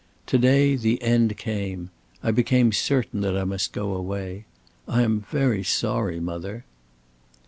"To day the end came. I became certain that I must go away. I am very sorry, mother."